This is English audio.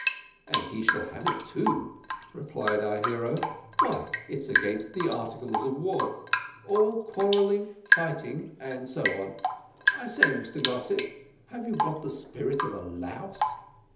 "And he shall have it too," replied our hero; "why, it's against the articles of war, `all quarrelling, fighting, etc.' I say, Mr Gossett, have you got the spirit of a louse?"